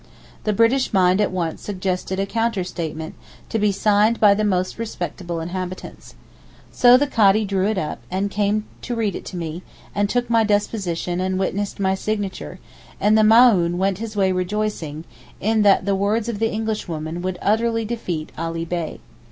The British mind at once suggested a counter statement, to be signed by the most respectable inhabitants. So the Cadi drew it up, and came and read it to me, and took my deposition and witnessed my signature, and the Maōhn went his way rejoicing, in that 'the words of the Englishwoman' would utterly defeat Ali Bey.